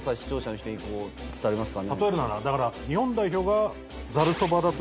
例えるならだから日本代表が。